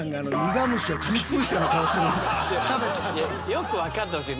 よく分かってほしい。